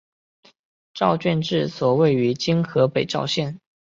赵郡治所位于今河北赵县。